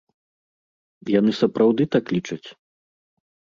Яны сапраўды так лічаць?